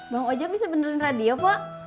bang ojak bisa benerin radio pok